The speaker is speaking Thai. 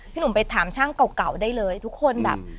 หนุ่มไปถามช่างเก่าได้เลยทุกคนแบบ